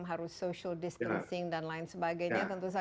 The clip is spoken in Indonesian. harus social distancing dan lain sebagainya